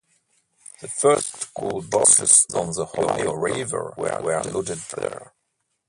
The first coal barges on the Ohio River were loaded there.